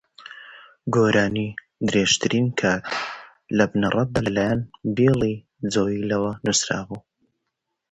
"The Longest Time" was originally written by Billy Joel.